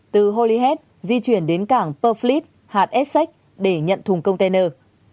từ holyhead di chuyển đến cảng purfleet hạt essex để nhận thùng container